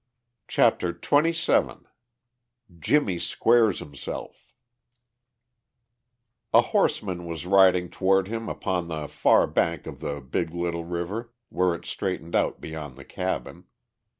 CHAPTER XXVII JIMMIE SQUARES HIMSELF A horseman was riding toward him upon the far bank of the Big Little River where it straightened out beyond the cabin.